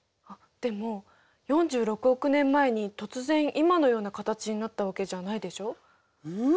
あっでも４６億年前に突然今のような形になったわけじゃないでしょう？